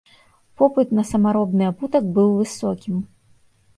Попыт на самаробны абутак быў высокім.